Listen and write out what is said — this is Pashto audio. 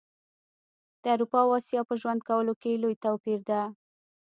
د اروپا او اسیا په ژوند کولو کي لوي توپیر ده